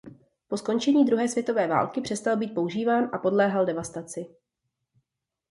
Po skončení druhé světové války přestal být používán a podléhal devastaci.